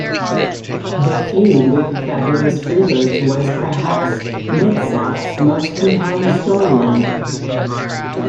Their feud with the Fabulous Freebirds was perhaps Mid-South's most compelling storyline.